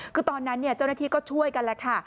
คือตอนนั้นเจ้าหน้าที่ก็ช่วยกันแล้วค่ะ